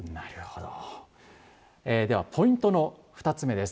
ではポイントの２つ目です。